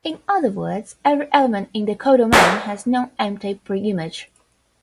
In other words, every element in the codomain has non-empty preimage.